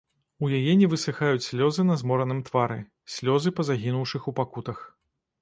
У яе не высыхаюць слёзы на змораным твары, слёзы па загінуўшых у пакутах.